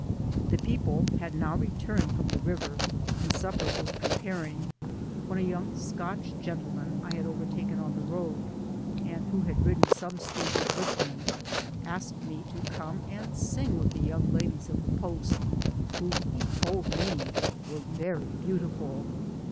The people had now re turned from the river, and supper was preparing, when a young Scotch gentleman I had overtaken on the road, and who had ridden some stages with me, asked me to come and sing with the young ladies of the post, who he told me were very beau tiful.